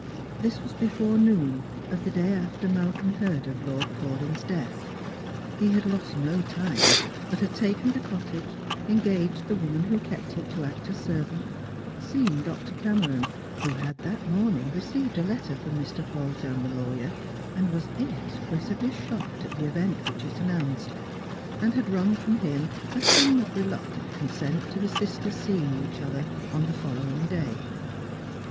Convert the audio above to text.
This ■\ve.g before noon of the day after Malcolm heard of Lord Paulyn's death. He had lost no time, but had taken the cottage, engaged the woman who kept it to act as servant, seen Dr. Cameron, who had that morning received a letter from Mi. Foljambe the lawyer, and was inexpressibly shocked at the event which it announced, and had wrung from him a somewhat reluctant consent to the sisters seeing each other on the follow ing day.